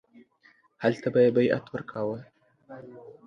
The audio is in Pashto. هلته به یې بیعت ورکاوه.